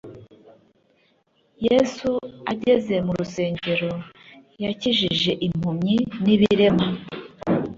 Yesu ageze mu rusengero yakijije impumyi n ibirema